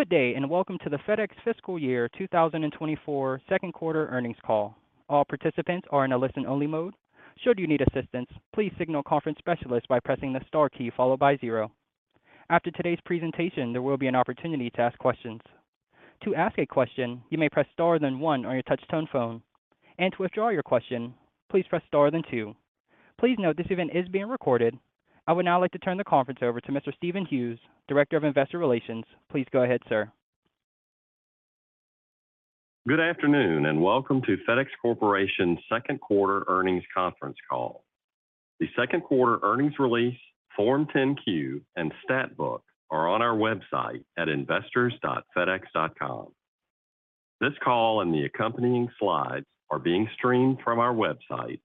Good day, and welcome to the FedEx Fiscal Year 2024 second quarter earnings call. All participants are in a listen-only mode. Should you need assistance, please signal conference specialist by pressing the star key followed by zero. After today's presentation, there will be an opportunity to ask questions. To ask a question, you may press star, then 1one on your touch tone phone, and to withdraw your question, please press star, then two. Please note this event is being recorded. I would now like to turn the conference over to Mr. Stephen Hughes, Director of Investor Relations. Please go ahead, sir. Good afternoon, and welcome to FedEx Corporation's second quarter earnings conference call. The second quarter earnings release, Form 10-Q and Statbook are on our website at investors.fedex.com. This call and the accompanying slides are being streamed from our website,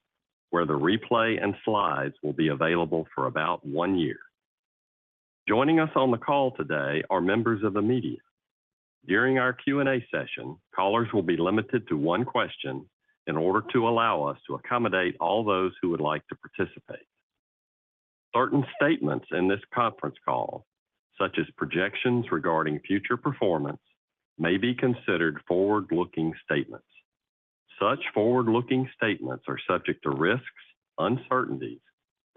where the replay and slides will be available for about one year. Joining us on the call today are members of the media. During our Q&A session, callers will be limited to one question in order to allow us to accommodate all those who would like to participate. Certain statements in this conference call, such as projections regarding future performance, may be considered forward-looking statements. Such forward-looking statements are subject to risks, uncertainties,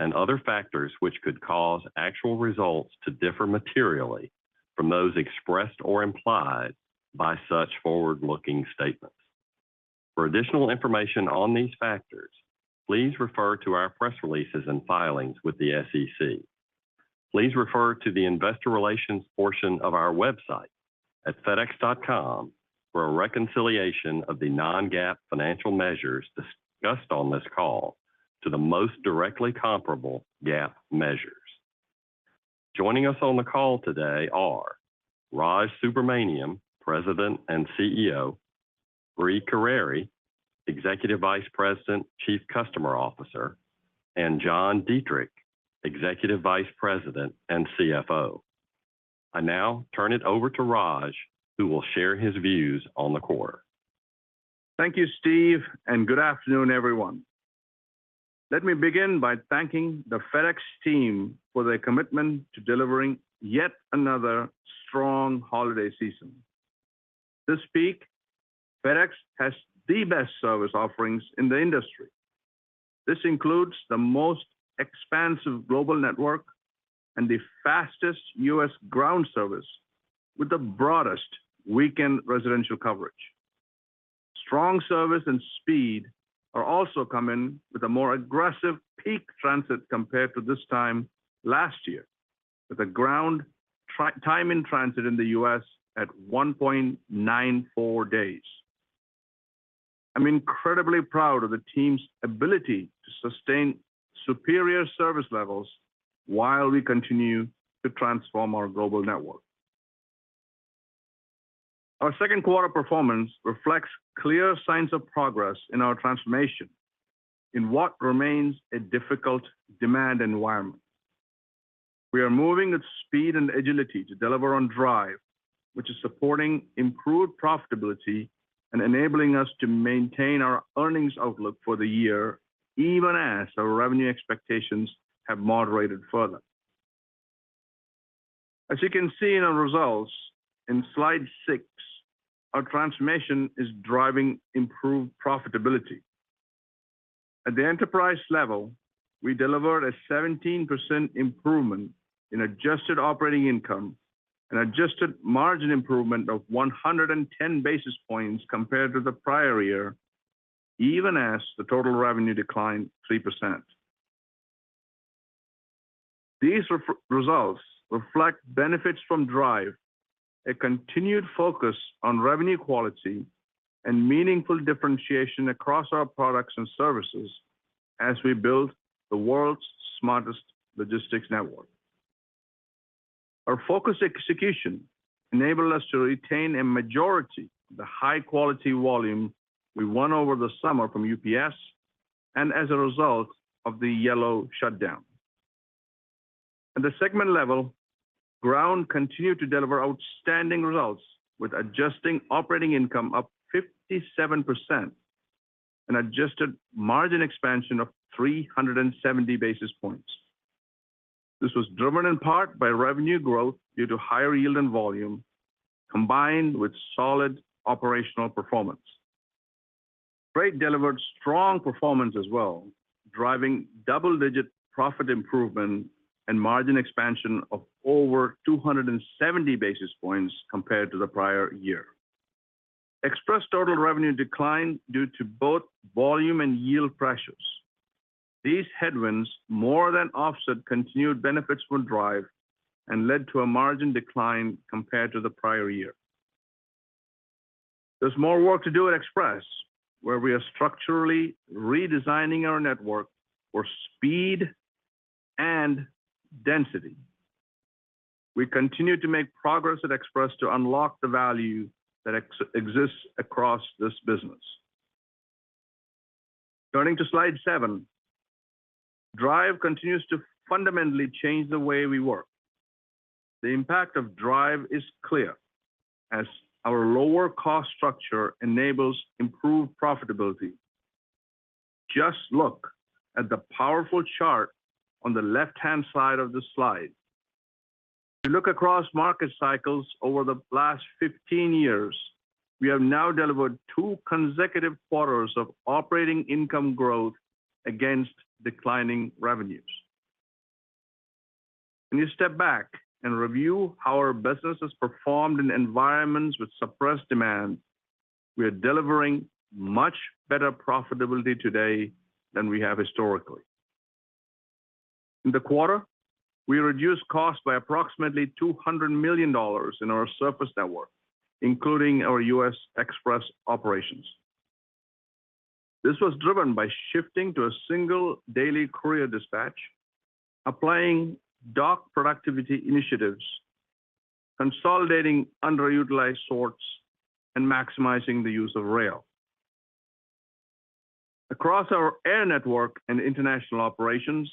and other factors which could cause actual results to differ materially from those expressed or implied by such forward-looking statements. For additional information on these factors, please refer to our press releases and filings with the SEC. Please refer to the investor relations portion of our website at fedex.com for a reconciliation of the non-GAAP financial measures discussed on this call to the most directly comparable GAAP measures. Joining us on the call today are Raj Subramaniam, President and CEO, Brie Carere, Executive Vice President, Chief Customer Officer, and John Dietrich, Executive Vice President and CFO. I now turn it over to Raj, who will share his views on the quarter. Thank you, Steve, and good afternoon, everyone. Let me begin by thanking the FedEx team for their commitment to delivering yet another strong holiday season. This peak, FedEx has the best service offerings in the industry. This includes the most expansive global network and the fastest U.S. Ground service with the broadest weekend residential coverage. Strong service and speed are also coming with a more aggressive peak transit compared to this time last year, with a Ground transit time in the U.S. at 1.94 days. I'm incredibly proud of the team's ability to sustain superior service levels while we continue to transform our global network. Our second quarter performance reflects clear signs of progress in our transformation in what remains a difficult demand environment. We are moving with speed and agility to deliver on DRIVE, which is supporting improved profitability and enabling us to maintain our earnings outlook for the year, even as our revenue expectations have moderated further. As you can see in our results in Slide 6, our transformation is driving improved profitability. At the enterprise level, we delivered a 17% improvement in adjusted operating income and adjusted margin improvement of 110 basis points compared to the prior year, even as the total revenue declined 3%. These results reflect benefits from DRIVE, a continued focus on revenue quality, and meaningful differentiation across our products and services as we build the world's smartest logistics network. Our focused execution enabled us to retain a majority of the high-quality volume we won over the summer from UPS and as a result of the Yellow shutdown. At the segment level, Ground continued to deliver outstanding results, with adjusting operating income up 57% and adjusted margin expansion of 370 basis points. This was driven in part by revenue growth due to higher yield and volume, combined with solid operational performance. Freight delivered strong performance as well, driving double-digit profit improvement and margin expansion of over 270 basis points compared to the prior year. Express total revenue declined due to both volume and yield pressures. These headwinds more than offset continued benefits from DRIVE and led to a margin decline compared to the prior year. There's more work to do at Express, where we are structurally redesigning our network for speed and density. We continue to make progress at Express to unlock the value that exists across this business. Turning to Slide 7, DRIVE continues to fundamentally change the way we work. The impact of DRIVE is clear, as our lower cost structure enables improved profitability. Just look at the powerful chart on the left-hand side of the slide. If you look across market cycles over the last 15 years, we have now delivered 2 consecutive quarters of operating income growth against declining revenues. When you step back and review how our business has performed in environments with suppressed demand, we are delivering much better profitability today than we have historically. In the quarter, we reduced costs by approximately $200 million in our surface network, including our U.S. Express operations. This was driven by shifting to a single daily carrier dispatch, applying dock productivity initiatives, consolidating underutilized sorts, and maximizing the use of rail. Across our air network and international operations,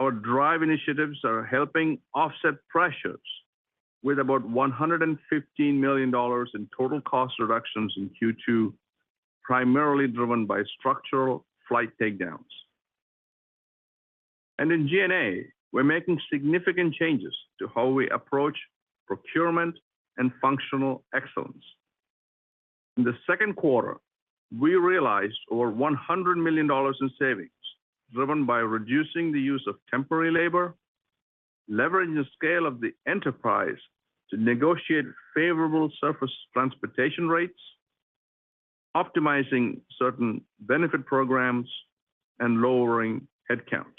our DRIVE initiatives are helping offset pressures with about $115 million in total cost reductions in Q2, primarily driven by structural flight takedowns. In G&A, we're making significant changes to how we approach procurement and functional excellence. In the second quarter, we realized over $100 million in savings, driven by reducing the use of temporary labor, leveraging the scale of the enterprise to negotiate favorable surface transportation rates, optimizing certain benefit programs, and lowering headcount.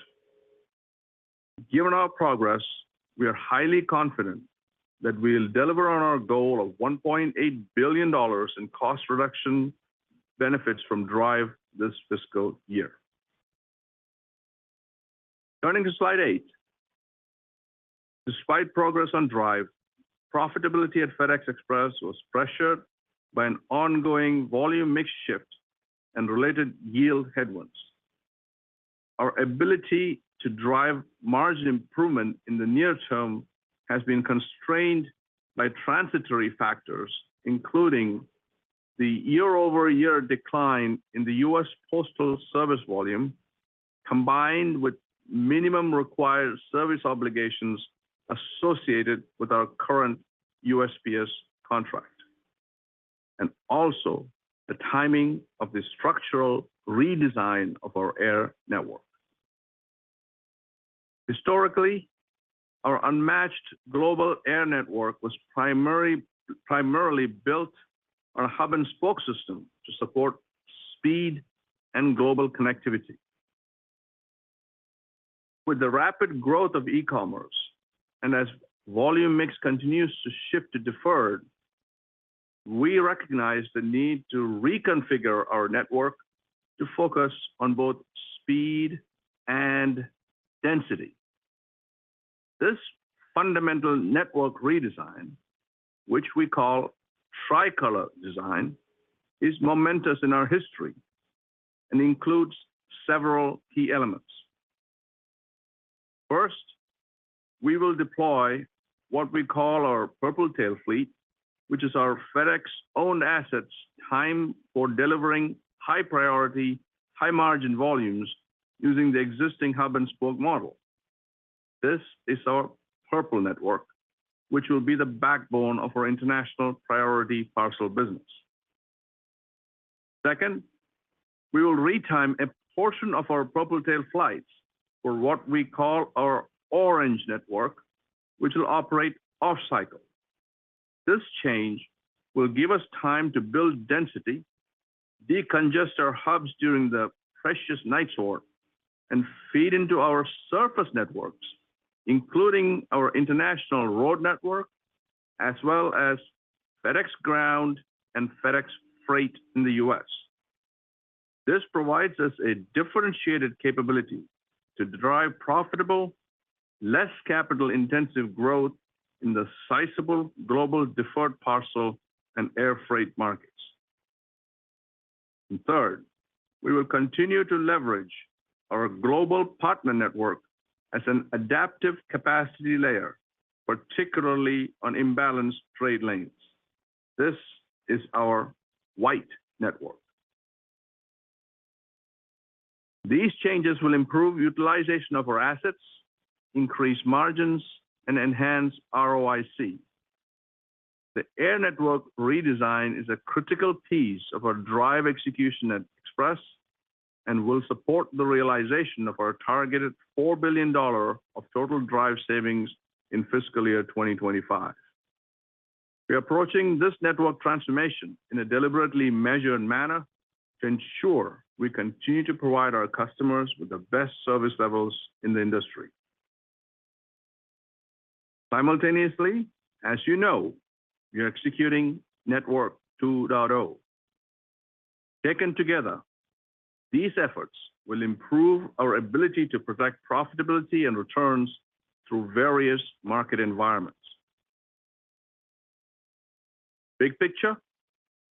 Given our progress, we are highly confident that we'll deliver on our goal of $1.8 billion in cost reduction benefits from DRIVE this fiscal year. Turning to slide 8. Despite progress on DRIVE, profitability at FedEx Express was pressured by an ongoing volume mix shift and related yield headwinds. Our ability to drive margin improvement in the near term has been constrained by transitory factors, including the year-over-year decline in the US Postal Service volume, combined with minimum required service obligations associated with our current USPS contract, and also the timing of the structural redesign of our air network. Historically, our unmatched global air network was primarily built on a hub-and-spoke system to support speed and global connectivity. With the rapid growth of e-commerce, and as volume mix continues to shift to deferred, we recognize the need to reconfigure our network to focus on both speed and density. This fundamental network redesign, which we call Tricolor Design, is momentous in our history and includes several key elements. First, we will deploy what we call our Purple tail fleet, which is our FedEx-owned assets, timed for delivering high-priority, high-margin volumes using the existing hub-and-spoke model. This is our Purple network, which will be the backbone of our International Priority parcel business. Second, we will retime a portion of our Purple tail fleets for what we call our orange network, which will operate off-cycle. This change will give us time to build density, decongest our hubs during the precious night sort, and feed into our surface networks, including our international road network, as well as FedEx Ground and FedEx Freight in the U.S. This provides us a differentiated capability to drive profitable, less capital-intensive growth in the sizable global deferred parcel and air freight markets. And third, we will continue to leverage our global partner network as an adaptive capacity layer, particularly on imbalanced trade lanes. This is our white network. These changes will improve utilization of our assets, increase margins, and enhance ROIC. The air network redesign is a critical piece of our DRIVE execution at Express and will support the realization of our targeted $4 billion of total DRIVE savings in fiscal year 2025. We are approaching this network transformation in a deliberately measured manner to ensure we continue to provide our customers with the best service levels in the industry. Simultaneously, as you know, we are executing Network 2.0. Taken together, these efforts will improve our ability to protect profitability and returns through various market environments. Big picture,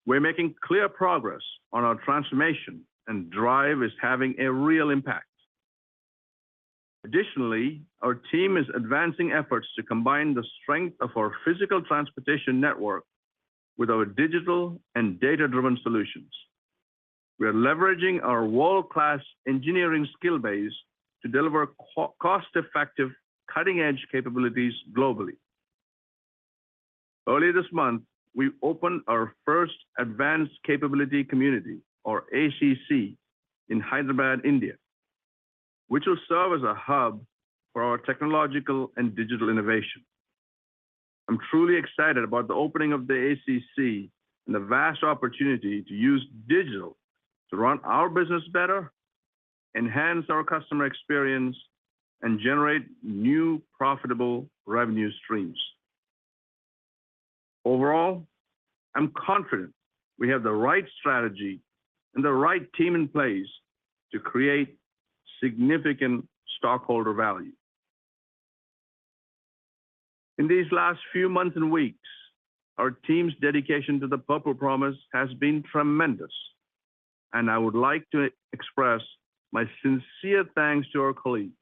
we're making clear progress on our transformation, and DRIVE is having a real impact. Additionally, our team is advancing efforts to combine the strength of our physical transportation network with our digital and data-driven solutions. We are leveraging our world-class engineering skill base to deliver cost-effective, cutting-edge capabilities globally. Earlier this month, we opened our first Advanced Capability Community, or ACC, in Hyderabad, India, which will serve as a hub for our technological and digital innovation. I'm truly excited about the opening of the ACC and the vast opportunity to use digital to run our business better, enhance our customer experience, and generate new profitable revenue streams. Overall, I'm confident we have the right strategy and the right team in place to create significant stockholder value. In these last few months and weeks, our team's dedication to the Purple Promise has been tremendous, and I would like to express my sincere thanks to our colleagues.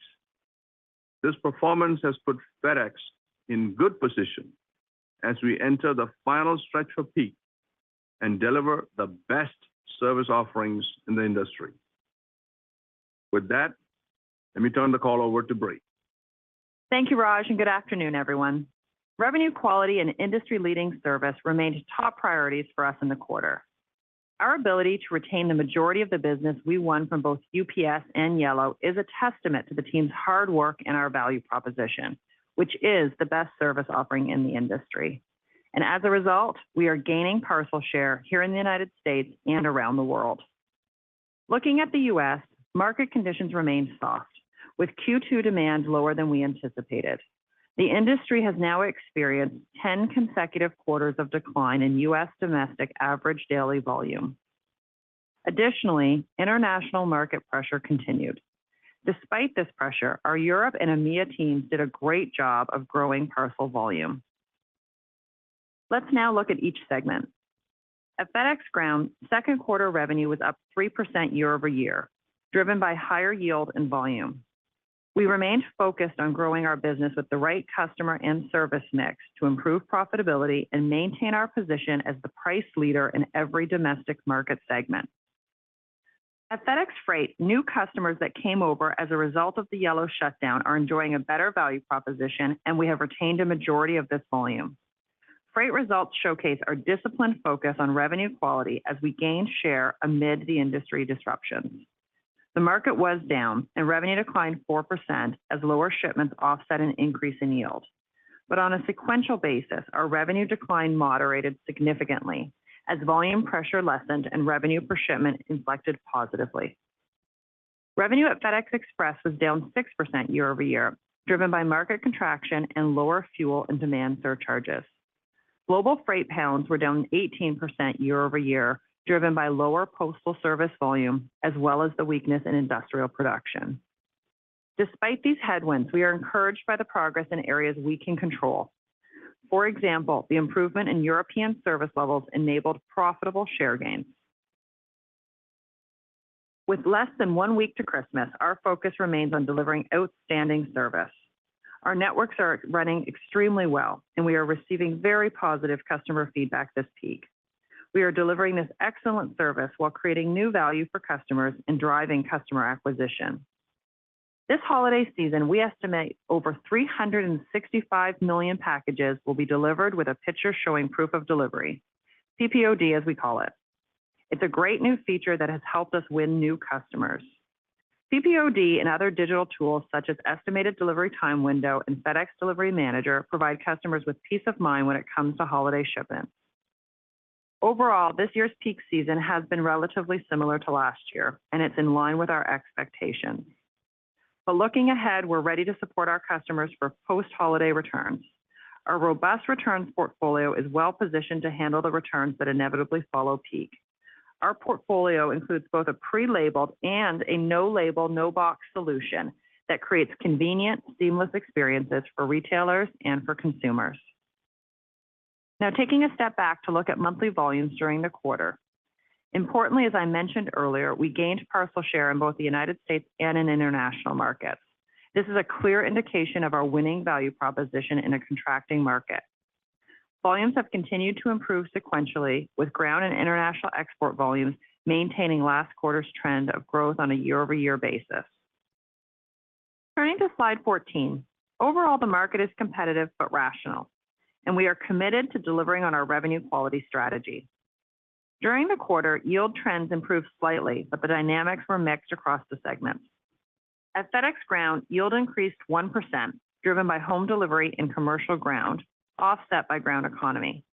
This performance has put FedEx in good position as we enter the final stretch for peak and deliver the best service offerings in the industry. With that, let me turn the call over to Brie. Thank you, Raj, and good afternoon, everyone. Revenue quality and industry-leading service remained top priorities for us in the quarter. Our ability to retain the majority of the business we won from both UPS and Yellow is a testament to the team's hard work and our value proposition, which is the best service offering in the industry. As a result, we are gaining parcel share here in the United States and around the world. Looking at the U.S., market conditions remain soft, with Q2 demand lower than we anticipated. The industry has now experienced 10 consecutive quarters of decline in U.S. domestic average daily volume. Additionally, international market pressure continued. Despite this pressure, our Europe and EMEA teams did a great job of growing parcel volume. Let's now look at each segment. At FedEx Ground, second quarter revenue was up 3% year-over-year, driven by higher yield and volume. We remained focused on growing our business with the right customer and service mix to improve profitability and maintain our position as the price leader in every domestic market segment. At FedEx Freight, new customers that came over as a result of the Yellow shutdown are enjoying a better value proposition, and we have retained a majority of this volume. Freight results showcase our disciplined focus on revenue quality as we gain share amid the industry disruptions. The market was down, and revenue declined 4% as lower shipments offset an increase in yield. But on a sequential basis, our revenue decline moderated significantly as volume pressure lessened and revenue per shipment inflected positively. Revenue at FedEx Express was down 6% year-over-year, driven by market contraction and lower fuel and demand surcharges. Global freight pounds were down 18% year-over-year, driven by lower Postal Service volume, as well as the weakness in industrial production. Despite these headwinds, we are encouraged by the progress in areas we can control. For example, the improvement in European service levels enabled profitable share gains. With less than one week to Christmas, our focus remains on delivering outstanding service. Our networks are running extremely well, and we are receiving very positive customer feedback this peak. We are delivering this excellent service while creating new value for customers and driving customer acquisition. This holiday season, we estimate over 365 million packages will be delivered with a picture showing proof of delivery. PPOD, as we call it. It's a great new feature that has helped us win new customers. PPOD and other digital tools, such as estimated delivery time window and FedEx Delivery Manager, provide customers with peace of mind when it comes to holiday shipments. Overall, this year's peak season has been relatively similar to last year, and it's in line with our expectations. But looking ahead, we're ready to support our customers for post-holiday returns. Our robust returns portfolio is well-positioned to handle the returns that inevitably follow peak. Our portfolio includes both a pre-labeled and a no-label, no-box solution that creates convenient, seamless experiences for retailers and for consumers. Now, taking a step back to look at monthly volumes during the quarter. Importantly, as I mentioned earlier, we gained parcel share in both the United States and in international markets. This is a clear indication of our winning value proposition in a contracting market. Volumes have continued to improve sequentially, with Ground and international export volumes maintaining last quarter's trend of growth on a year-over-year basis. Turning to slide 14. Overall, the market is competitive but rational, and we are committed to delivering on our revenue quality strategy. During the quarter, yield trends improved slightly, but the dynamics were mixed across the segments. At FedEx Ground, yield increased 1%, driven by Home Delivery and commercial Ground, offset by Ground Economy.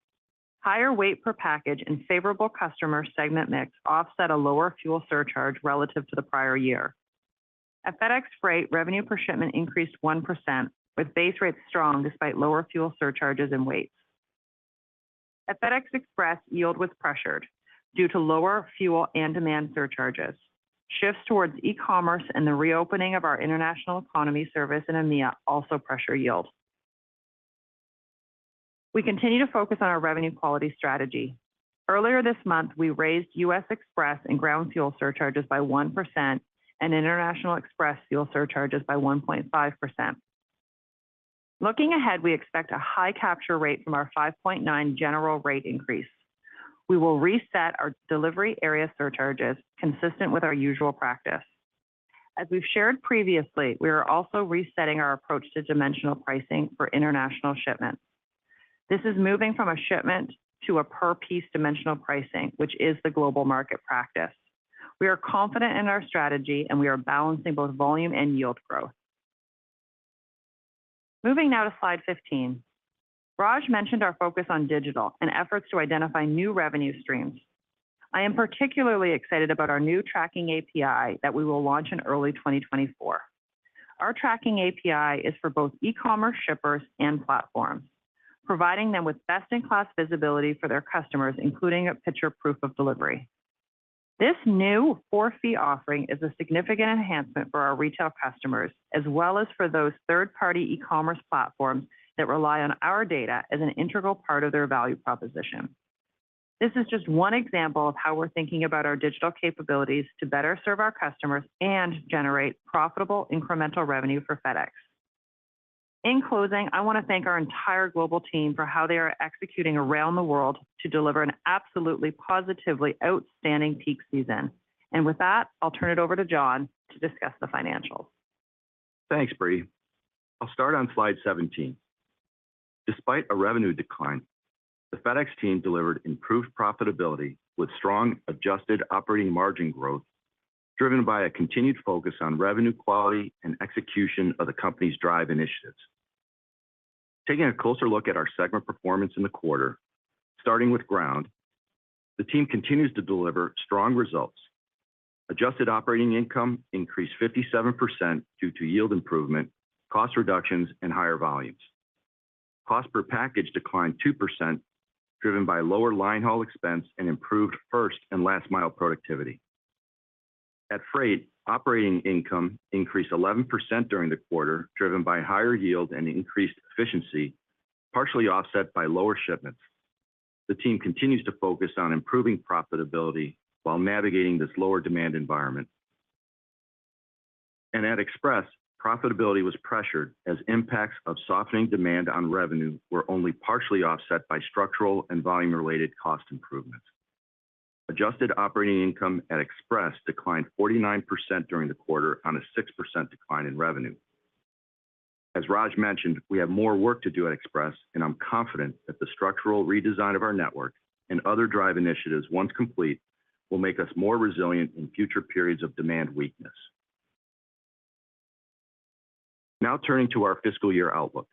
Higher weight per package and favorable customer segment mix offset a lower fuel surcharge relative to the prior year. At FedEx Freight, revenue per shipment increased 1%, with base rates strong despite lower fuel surcharges and weights. At FedEx Express, yield was pressured due to lower fuel and demand surcharges. Shifts towards e-commerce and the reopening of our International Economy service in EMEA also pressure yield.... We continue to focus on our revenue quality strategy. Earlier this month, we raised US Express and Ground fuel surcharges by 1% and International Express fuel surcharges by 1.5%. Looking ahead, we expect a high capture rate from our 5.9 general rate increase. We will reset our delivery area surcharges consistent with our usual practice. As we've shared previously, we are also resetting our approach to dimensional pricing for international shipments. This is moving from a shipment to a per piece dimensional pricing, which is the global market practice. We are confident in our strategy, and we are balancing both volume and yield growth. Moving now to slide 15. Raj mentioned our focus on digital and efforts to identify new revenue streams. I am particularly excited about our new tracking API that we will launch in early 2024. Our tracking API is for both e-commerce shippers and platforms, providing them with best-in-class visibility for their customers, including a picture proof of delivery. This new for-fee offering is a significant enhancement for our retail customers, as well as for those third-party e-commerce platforms that rely on our data as an integral part of their value proposition. This is just one example of how we're thinking about our digital capabilities to better serve our customers and generate profitable incremental revenue for FedEx. In closing, I want to thank our entire global team for how they are executing around the world to deliver an absolutely, positively outstanding peak season. With that, I'll turn it over to John to discuss the financials. Thanks, Brie. I'll start on slide 17. Despite a revenue decline, the FedEx team delivered improved profitability with strong adjusted operating margin growth, driven by a continued focus on revenue quality and execution of the company's DRIVE initiatives. Taking a closer look at our segment performance in the quarter, starting with Ground, the team continues to deliver strong results. Adjusted operating income increased 57% due to yield improvement, cost reductions, and higher volumes. Cost per package declined 2%, driven by lower line haul expense and improved first and last mile productivity. At Freight, operating income increased 11% during the quarter, driven by higher yield and increased efficiency, partially offset by lower shipments. The team continues to focus on improving profitability while navigating this lower demand environment. At Express, profitability was pressured as impacts of softening demand on revenue were only partially offset by structural and volume-related cost improvements. Adjusted operating income at Express declined 49% during the quarter on a 6% decline in revenue. As Raj mentioned, we have more work to do at Express, and I'm confident that the structural redesign of our network and other DRIVE initiatives, once complete, will make us more resilient in future periods of demand weakness. Now, turning to our fiscal year outlook.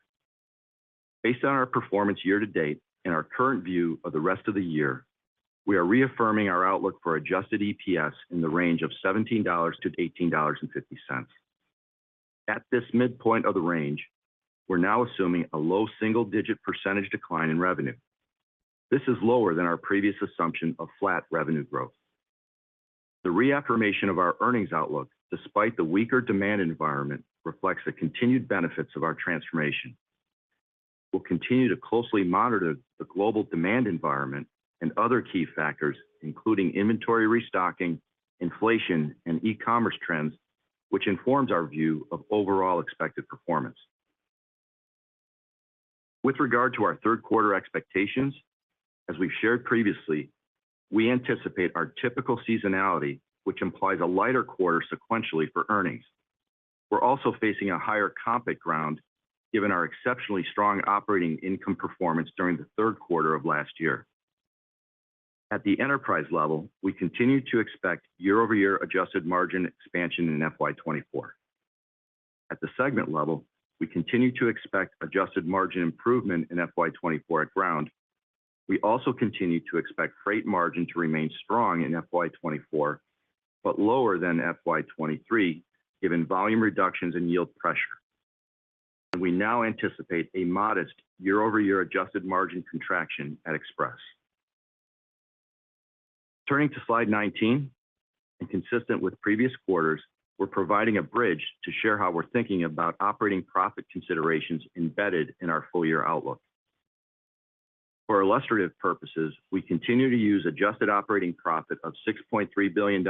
Based on our performance year to date and our current view of the rest of the year, we are reaffirming our outlook for adjusted EPS in the range of $17-$18.50. At this midpoint of the range, we're now assuming a low single-digit percentage decline in revenue. This is lower than our previous assumption of flat revenue growth. The reaffirmation of our earnings outlook, despite the weaker demand environment, reflects the continued benefits of our transformation. We'll continue to closely monitor the global demand environment and other key factors, including inventory restocking, inflation, and e-commerce trends, which informs our view of overall expected performance. With regard to our third quarter expectations, as we've shared previously, we anticipate our typical seasonality, which implies a lighter quarter sequentially for earnings. We're also facing a higher comp at Ground, given our exceptionally strong operating income performance during the third quarter of last year. At the enterprise level, we continue to expect year-over-year adjusted margin expansion in FY 2024. At the segment level, we continue to expect adjusted margin improvement in FY 2024 at Ground. We also continue to expect Freight margin to remain strong in FY 2024, but lower than FY 2023, given volume reductions and yield pressure. We now anticipate a modest year-over-year adjusted margin contraction at Express. Turning to slide 19, and consistent with previous quarters, we're providing a bridge to share how we're thinking about operating profit considerations embedded in our full year outlook. For illustrative purposes, we continue to use adjusted operating profit of $6.3 billion,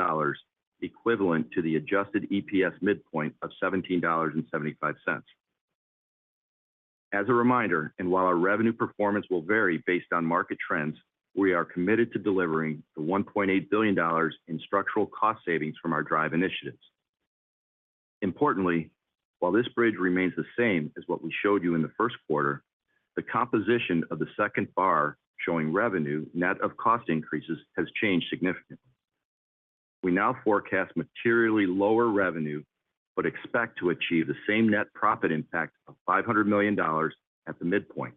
equivalent to the adjusted EPS midpoint of $17.75. As a reminder, and while our revenue performance will vary based on market trends, we are committed to delivering the $1.8 billion in structural cost savings from our DRIVE initiatives. Importantly, while this bridge remains the same as what we showed you in the first quarter, the composition of the second bar, showing revenue net of cost increases, has changed significantly. We now forecast materially lower revenue, but expect to achieve the same net profit impact of $500 million at the midpoint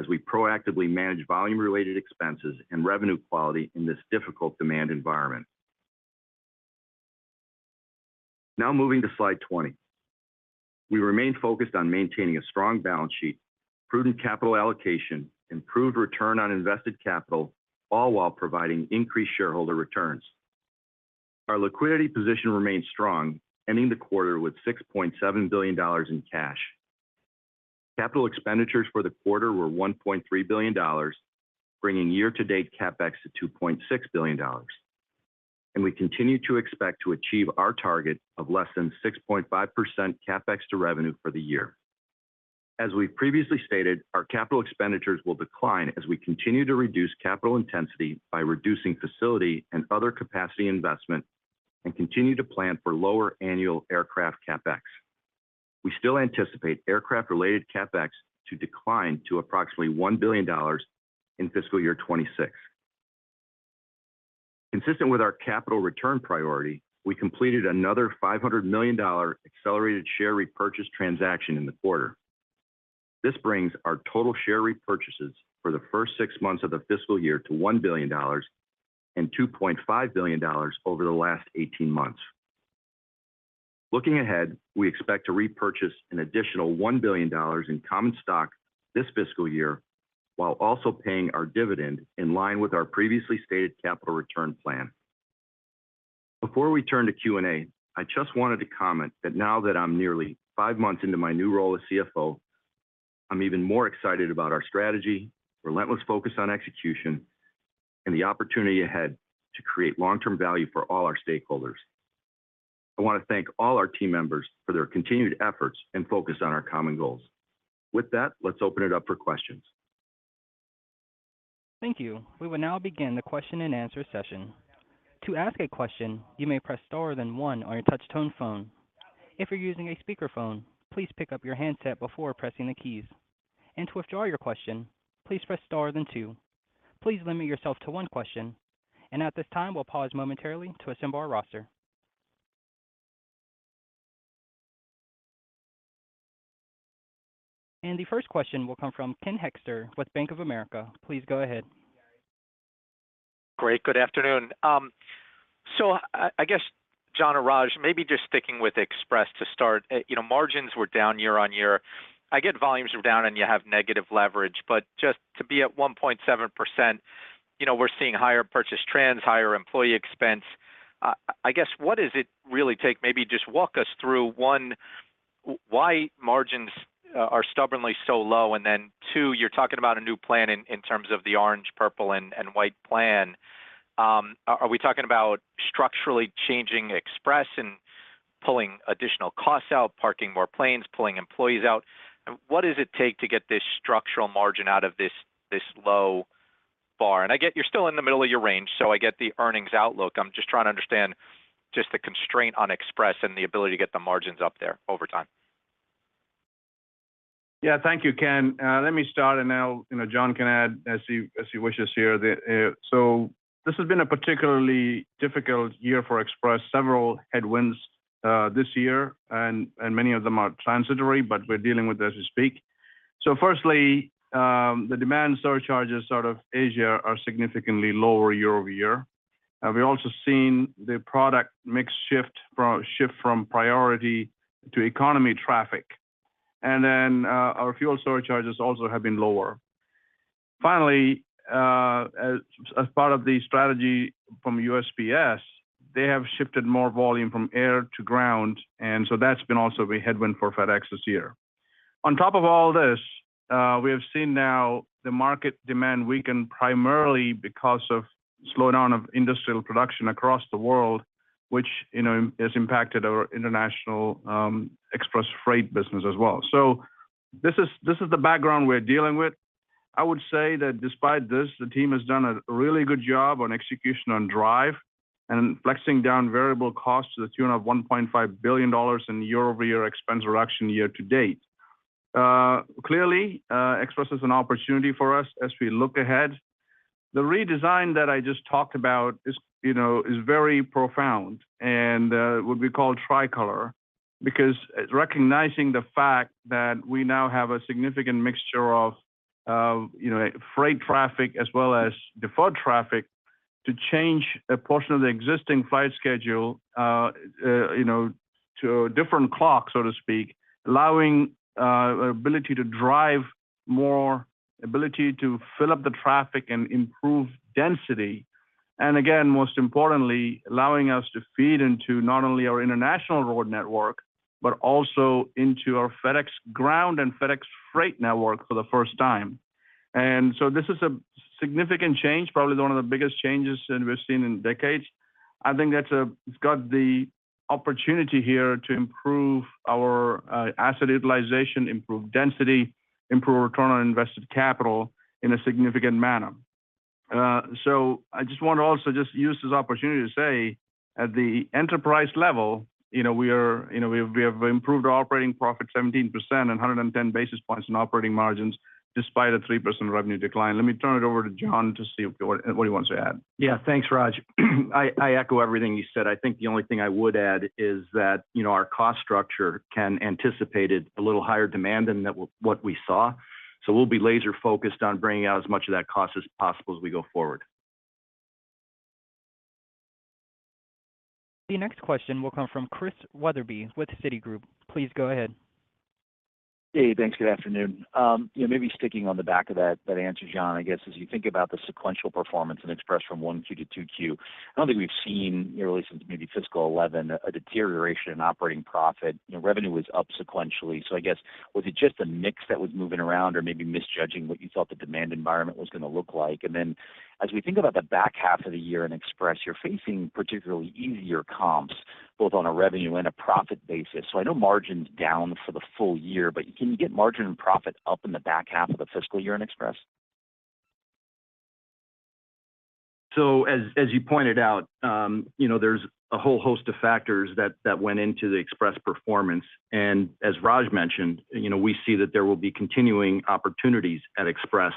as we proactively manage volume-related expenses and revenue quality in this difficult demand environment. Now moving to slide 20. We remain focused on maintaining a strong balance sheet, prudent capital allocation, improved return on invested capital, all while providing increased shareholder returns. Our liquidity position remains strong, ending the quarter with $6.7 billion in cash. Capital expenditures for the quarter were $1.3 billion, bringing year-to-date CapEx to $2.6 billion. We continue to expect to achieve our target of less than 6.5% CapEx to revenue for the year. As we've previously stated, our capital expenditures will decline as we continue to reduce capital intensity by reducing facility and other capacity investment, and continue to plan for lower annual aircraft CapEx. We still anticipate aircraft-related CapEx to decline to approximately $1 billion in fiscal year 2026. Consistent with our capital return priority, we completed another $500 million accelerated share repurchase transaction in the quarter. This brings our total share repurchases for the first six months of the fiscal year to $1 billion and $2.5 billion over the last eighteen months. Looking ahead, we expect to repurchase an additional $1 billion in common stock this fiscal year, while also paying our dividend in line with our previously stated capital return plan. Before we turn to Q&A, I just wanted to comment that now that I'm nearly five months into my new role as CFO, I'm even more excited about our strategy, relentless focus on execution, and the opportunity ahead to create long-term value for all our stakeholders. I want to thank all our team members for their continued efforts and focus on our common goals. With that, let's open it up for questions. Thank you. We will now begin the question-and-answer session. To ask a question, you may press star then one on your touch tone phone. If you're using a speakerphone, please pick up your handset before pressing the keys. To withdraw your question, please press star then two. Please limit yourself to one question, and at this time, we'll pause momentarily to assemble our roster. The first question will come from Ken Hoexter with Bank of America. Please go ahead. Great. Good afternoon. So I guess, John or Raj, maybe just sticking with Express to start. You know, margins were down year-on-year. I get volumes are down and you have negative leverage, but just to be at 1.7%, you know, we're seeing higher purchase trends, higher employee expense. I guess, what does it really take? Maybe just walk us through, one, why margins are stubbornly so low? And then, two, you're talking about a new plan in terms of the orange, purple, and white plan. Are we talking about structurally changing Express and pulling additional costs out, parking more planes, pulling employees out? And what does it take to get this structural margin out of this low bar? And I get you're still in the middle of your range, so I get the earnings outlook. I'm just trying to understand just the constraint on Express and the ability to get the margins up there over time. Yeah. Thank you, Ken. Let me start, and then, you know, John can add as he wishes here. So this has been a particularly difficult year for Express. Several headwinds this year, and many of them are transitory, but we're dealing with as we speak. So firstly, the demand surcharges out of Asia are significantly lower year-over-year. We've also seen the product mix shift from priority to economy traffic, and then our fuel surcharges also have been lower. Finally, as part of the strategy from USPS, they have shifted more volume from air to Ground, and so that's been also a headwind for FedEx this year. On top of all this, we have seen now the market demand weaken primarily because of slowdown of industrial production across the world, which, you know, has impacted our international, Express Freight business as well. So this is, this is the background we're dealing with. I would say that despite this, the team has done a really good job on execution on drive and flexing down variable costs to the tune of $1.5 billion in year-over-year expense reduction year to date. Clearly, Express is an opportunity for us as we look ahead. The redesign that I just talked about is, you know, is very profound and, what we call tricolor, because it's recognizing the fact that we now have a significant mixture of, you know, freight traffic as well as deferred traffic, to change a portion of the existing flight schedule, you know, to a different clock, so to speak. Allowing ability to drive more, ability to fill up the traffic and improve density, and again, most importantly, allowing us to feed into not only our international road network, but also into our FedEx Ground and FedEx Freight network for the first time. And so this is a significant change, probably one of the biggest changes that we've seen in decades. I think that's, it's got the opportunity here to improve our, asset utilization, improve density, improve return on invested capital in a significant manner. So, I just want to also just use this opportunity to say, at the enterprise level, you know, we are, you know, we have improved our operating profit 17% and 110 basis points in operating margins, despite a 3% revenue decline. Let me turn it over to John to see if—what he wants to add. Yeah. Thanks, Raj. I echo everything you said. I think the only thing I would add is that, you know, our cost structure can anticipated a little higher demand than what we saw. So we'll be laser-focused on bringing out as much of that cost as possible as we go forward. The next question will come from Chris Wetherbee with Citigroup. Please go ahead. ... Hey, thanks. Good afternoon. You know, maybe sticking on the back of that, that answer, John, I guess, as you think about the sequential performance in Express from one Q to two Q, I don't think we've seen, you know, really since maybe fiscal 2011, a deterioration in operating profit. You know, revenue was up sequentially. So I guess was it just a mix that was moving around or maybe misjudging what you thought the demand environment was gonna look like? And then, as we think about the back half of the year in Express, you're facing particularly easier comps, both on a revenue and a profit basis. So I know margin's down for the full year, but can you get margin and profit up in the back half of the fiscal year in Express? So as you pointed out, you know, there's a whole host of factors that went into the Express performance. And as Raj mentioned, you know, we see that there will be continuing opportunities at Express.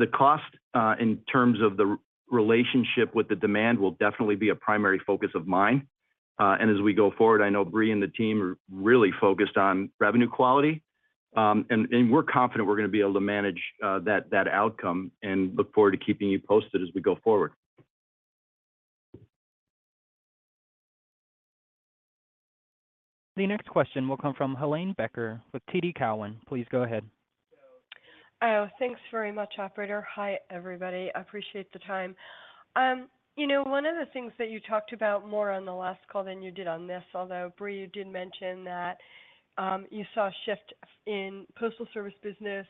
The cost, in terms of the relationship with the demand will definitely be a primary focus of mine. And as we go forward, I know Brie and the team are really focused on revenue quality. And we're confident we're gonna be able to manage that outcome, and look forward to keeping you posted as we go forward. The next question will come from Helane Becker with TD Cowen. Please go ahead. Thanks very much, operator. Hi, everybody. I appreciate the time. You know, one of the things that you talked about more on the last call than you did on this, although, Brie, you did mention that you saw a shift in Postal Service business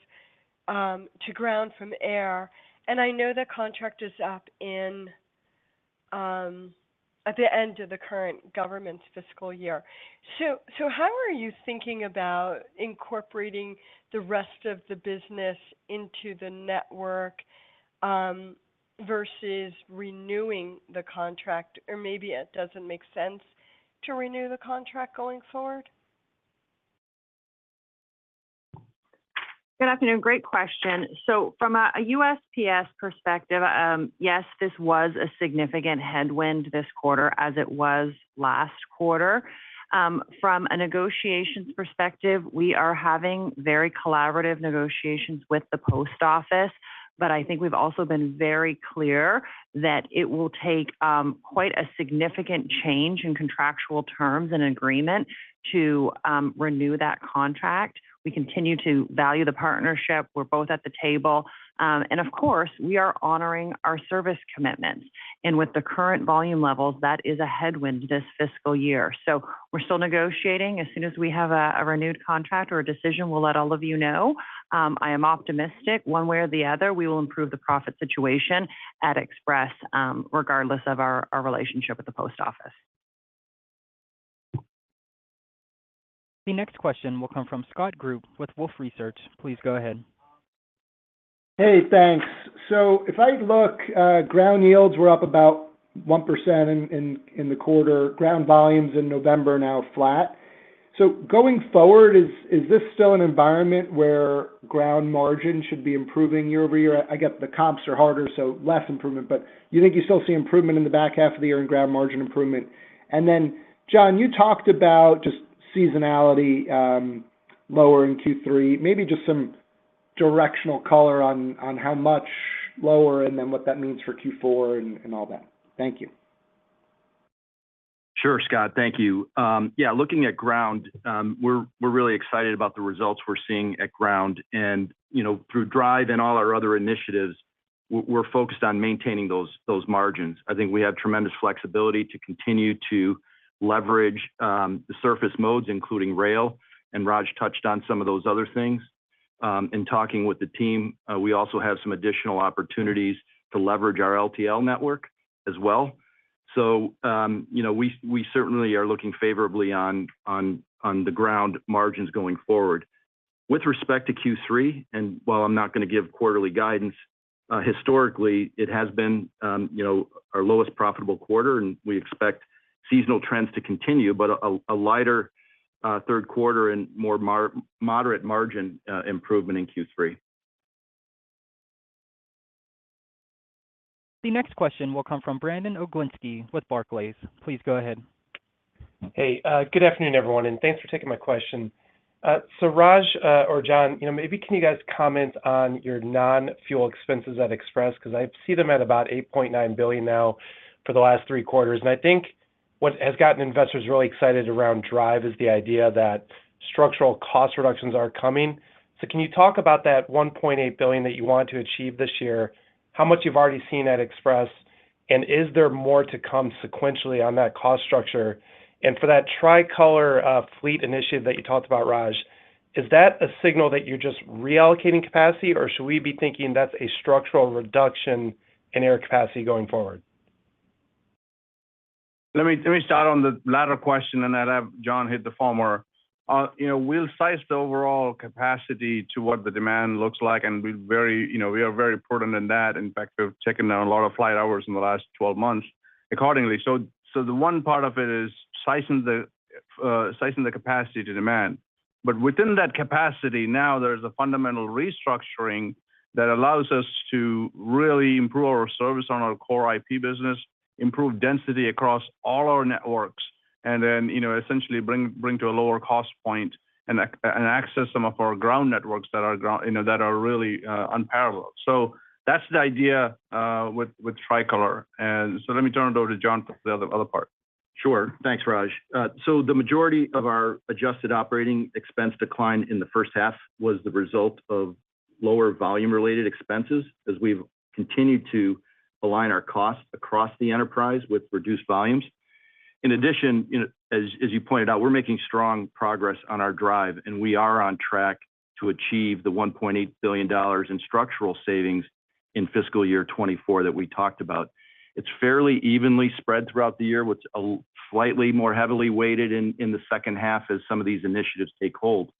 to Ground from air, and I know the contract is up in at the end of the current government's fiscal year. So, so how are you thinking about incorporating the rest of the business into the network versus renewing the contract? Or maybe it doesn't make sense to renew the contract going forward. Good afternoon. Great question. So from a USPS perspective, yes, this was a significant headwind this quarter, as it was last quarter. From a negotiations perspective, we are having very collaborative negotiations with the Post Office, but I think we've also been very clear that it will take quite a significant change in contractual terms and agreement to renew that contract. We continue to value the partnership. We're both at the table. And of course, we are honoring our service commitments, and with the current volume levels, that is a headwind this fiscal year. So we're still negotiating. As soon as we have a renewed contract or a decision, we'll let all of you know. I am optimistic. One way or the other, we will improve the profit situation at Express, regardless of our relationship with the Post Office. The next question will come from Scott Group with Wolfe Research. Please go ahead. Hey, thanks. So if I look, Ground yields were up about 1% in the quarter, Ground volumes in November are now flat. So going forward, is this still an environment where Ground margin should be improving year-over-year? I get the comps are harder, so less improvement, but you think you still see improvement in the back half of the year in Ground margin improvement? And then, John, you talked about just seasonality, lower in Q3, maybe just some directional color on how much lower and then what that means for Q4 and all that. Thank you. Sure, Scott. Thank you. Yeah, looking at Ground, we're really excited about the results we're seeing at Ground and, you know, through DRIVE and all our other initiatives, we're focused on maintaining those margins. I think we have tremendous flexibility to continue to leverage the surface modes, including rail, and Raj touched on some of those other things. In talking with the team, we also have some additional opportunities to leverage our LTL network as well. So, you know, we certainly are looking favorably on the Ground margins going forward. With respect to Q3, and while I'm not gonna give quarterly guidance, historically it has been, you know, our lowest profitable quarter, and we expect seasonal trends to continue, but a lighter third quarter and more moderate margin improvement in Q3. The next question will come from Brandon Oglenski with Barclays. Please go ahead. Hey, good afternoon, everyone, and thanks for taking my question. So Raj, or John, you know, maybe can you guys comment on your non-fuel expenses at Express? 'Cause I see them at about $8.9 billion now for the last three quarters. And I think what has gotten investors really excited around Drive is the idea that structural cost reductions are coming. So can you talk about that $1.8 billion that you want to achieve this year, how much you've already seen at Express, and is there more to come sequentially on that cost structure? And for that Tricolor, fleet initiative that you talked about, Raj, is that a signal that you're just reallocating capacity, or should we be thinking that's a structural reduction in air capacity going forward? Let me, let me start on the latter question, and then have John hit the former. You know, we'll size the overall capacity to what the demand looks like, and we're very, you know, we are very prudent in that. In fact, we've taken down a lot of flight hours in the last 12 months accordingly. So, so the one part of it is sizing the, sizing the capacity to demand. But within that capacity, now there's a fundamental restructuring that allows us to really improve our service on our core IP business, improve density across all our networks, and then, you know, essentially bring, bring to a lower cost point and access some of our Ground networks that are Ground. You know, that are really unparalleled. So that's the idea, with, with Tricolor. So let me turn it over to John for the other part.... Sure. Thanks, Raj. So the majority of our adjusted operating expense decline in the first half was the result of lower volume-related expenses, as we've continued to align our costs across the enterprise with reduced volumes. In addition, you know, as you pointed out, we're making strong progress on our DRIVE, and we are on track to achieve the $1.8 billion in structural savings in fiscal year 2024 that we talked about. It's fairly evenly spread throughout the year, with slightly more heavily weighted in the second half as some of these initiatives take hold.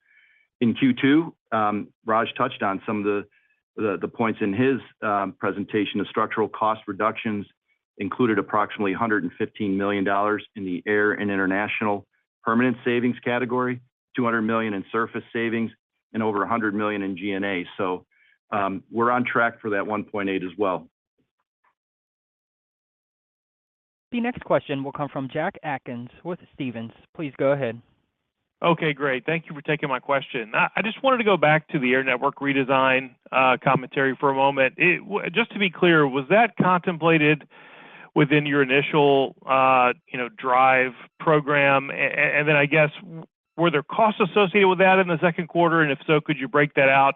In Q2, Raj touched on some of the points in his presentation of structural cost reductions, included approximately $115 million in the air and international permanent savings category, $200 million in surface savings, and over $100 million in G&A. So, we're on track for that 1.8 as well. The next question will come from Jack Atkins with Stephens. Please go ahead. Okay, great. Thank you for taking my question. I just wanted to go back to the Air Network Redesign commentary for a moment. Just to be clear, was that contemplated within your initial, you know, DRIVE program? And then, I guess, were there costs associated with that in the second quarter? And if so, could you break that out?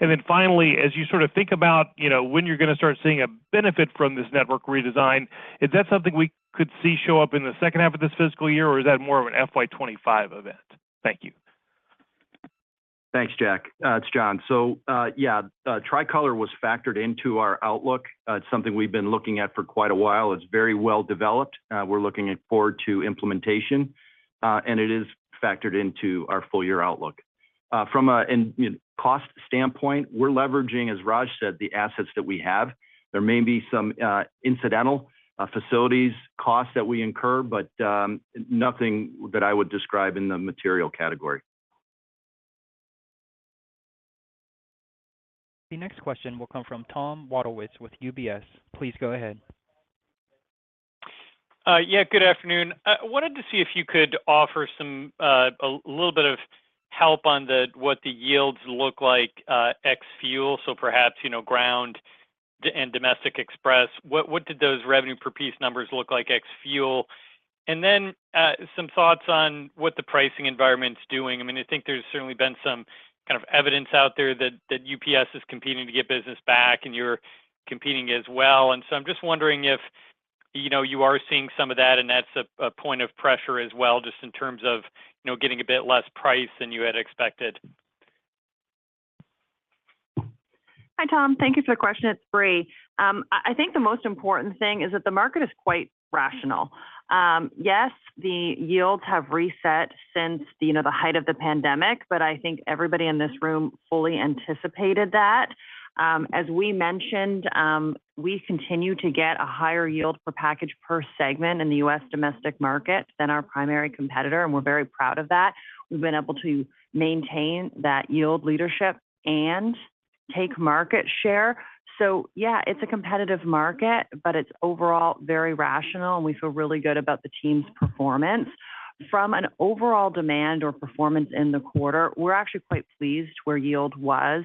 And then finally, as you sort of think about, you know, when you're gonna start seeing a benefit from this network redesign, is that something we could see show up in the second half of this fiscal year, or is that more of an FY 2025 event? Thank you. Thanks, Jack. It's John. So, yeah, Tricolor was factored into our outlook. It's something we've been looking at for quite a while. It's very well developed. We're looking forward to implementation, and it is factored into our full year outlook. From a cost standpoint, you know, we're leveraging, as Raj said, the assets that we have. There may be some incidental facilities costs that we incur, but nothing that I would describe in the material category. The next question will come from Tom Wadewitz with UBS. Please go ahead. Yeah, good afternoon. I wanted to see if you could offer some a little bit of help on what the yields look like ex-fuel, so perhaps, you know, Ground and domestic Express. What did those revenue per piece numbers look like ex-fuel? And then some thoughts on what the pricing environment is doing. I mean, I think there's certainly been some kind of evidence out there that UPS is competing to get business back, and you're competing as well. And so I'm just wondering if, you know, you are seeing some of that, and that's a point of pressure as well, just in terms of, you know, getting a bit less price than you had expected. Hi, Tom. Thank you for your question. It's Brie. I think the most important thing is that the market is quite rational. Yes, the yields have reset since, you know, the height of the pandemic, but I think everybody in this room fully anticipated that. As we mentioned, we continue to get a higher yield for package per segment in the U.S. domestic market than our primary competitor, and we're very proud of that. We've been able to maintain that yield leadership and take market share. So yeah, it's a competitive market, but it's overall very rational, and we feel really good about the team's performance. From an overall demand or performance in the quarter, we're actually quite pleased where yield was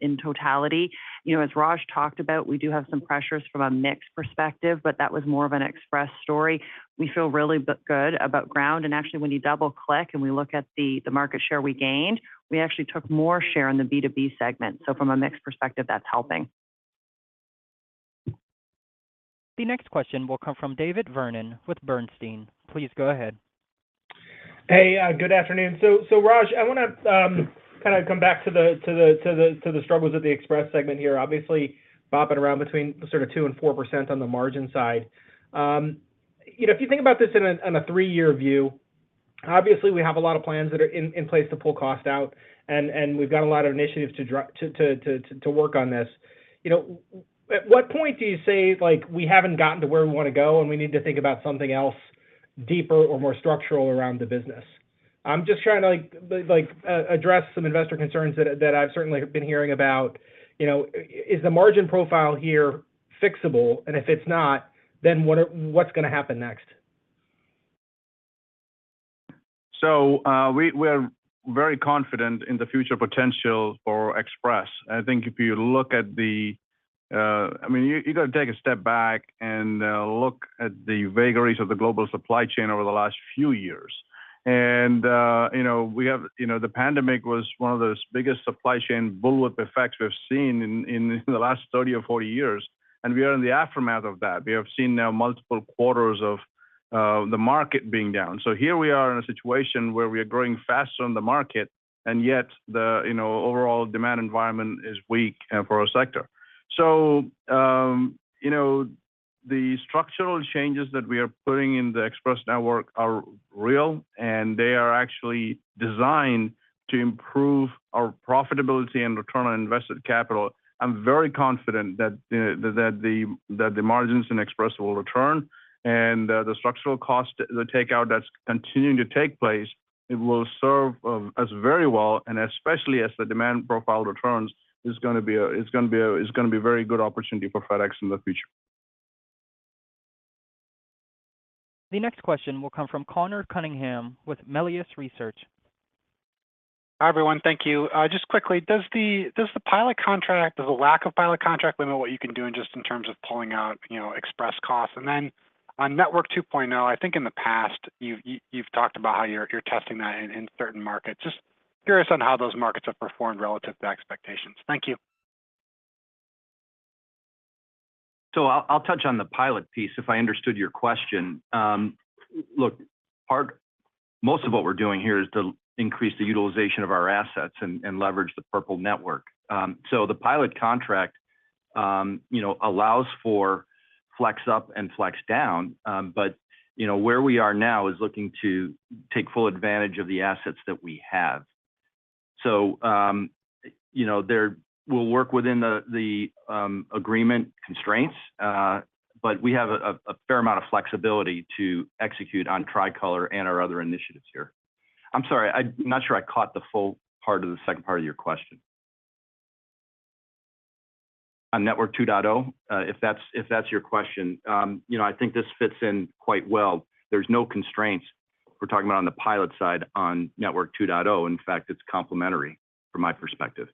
in totality. You know, as Raj talked about, we do have some pressures from a mixed perspective, but that was more of an express story. We feel really good about Ground, and actually, when you double-click, and we look at the market share we gained, we actually took more share in the B2B segment. So from a mixed perspective, that's helping. The next question will come from David Vernon with Bernstein. Please go ahead. Hey, good afternoon. So, Raj, I wanna kinda come back to the struggles of the express segment here. Obviously, bopping around between sort of 2%-4% on the margin side. You know, if you think about this on a 3-year view, obviously, we have a lot of plans that are in place to pull cost out, and we've got a lot of initiatives to work on this. You know, at what point do you say, like, we haven't gotten to where we wanna go, and we need to think about something else deeper or more structural around the business? I'm just trying to, like, address some investor concerns that I've certainly been hearing about. You know, is the margin profile here fixable? If it's not, then what's gonna happen next? So, we are very confident in the future potential for Express. I think if you look at the... I mean, you got to take a step back and look at the vagaries of the global supply chain over the last few years. And, you know, we have, you know, the pandemic was one of the biggest supply chain bullwhip effects we've seen in the last 30 or 40 years, and we are in the aftermath of that. We have seen now multiple quarters of the market being down. So here we are in a situation where we are growing faster on the market, and yet the, you know, overall demand environment is weak for our sector. So, you know, the structural changes that we are putting in the Express network are real, and they are actually designed to improve our profitability and return on invested capital. I'm very confident that the margins in Express will return, and the structural cost takeout that's continuing to take place will serve us very well, and especially as the demand profile returns, it's gonna be a very good opportunity for FedEx in the future. The next question will come from Conor Cunningham with Melius Research.... Hi, everyone. Thank you. Just quickly, does the, does the pilot contract, does the lack of pilot contract limit what you can do in just in terms of pulling out, you know, Express costs? And then on Network 2.0, I think in the past, you've, you've talked about how you're, you're testing that in, in certain markets. Just curious on how those markets have performed relative to expectations. Thank you. So I'll touch on the pilot piece, if I understood your question. Look, most of what we're doing here is to increase the utilization of our assets and leverage the Purple network. So the pilot contract, you know, allows for flex up and flex down. But, you know, where we are now is looking to take full advantage of the assets that we have. So, you know, there we'll work within the agreement constraints, but we have a fair amount of flexibility to execute on Tricolor and our other initiatives here. I'm sorry, I'm not sure I caught the full part of the second part of your question. On Network 2.0, if that's your question, you know, I think this fits in quite well. There's no constraints we're talking about on the pilot side on Network 2.0. In fact, it's complementary from my perspective.